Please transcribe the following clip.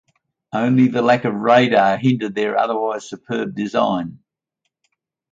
Only the lack of radar hindered their otherwise superb design.